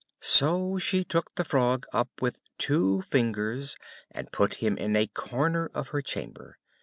So she took the Frog up with two fingers, and put him in a corner of her chamber.